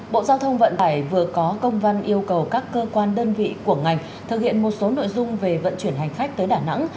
bộ giao thông vận tải vừa có công văn yêu cầu các cơ quan đơn vị của ngành thực hiện một số nội dung về vận chuyển hành khách tới đà nẵng